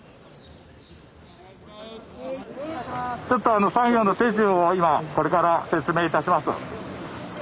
ちょっと作業の手順を今これから説明いたします。